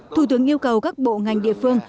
thủ tướng yêu cầu các bộ ngành địa phương